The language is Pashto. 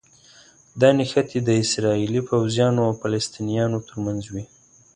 دا نښتې د اسراییلي پوځیانو او فلسطینیانو ترمنځ وي.